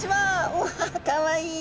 うわかわいい。